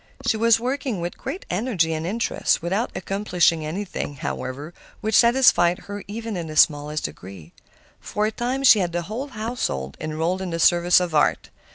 She was working with great energy and interest, without accomplishing anything, however, which satisfied her even in the smallest degree. For a time she had the whole household enrolled in the service of art.